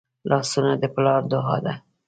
لاسونه د پلار دعا ده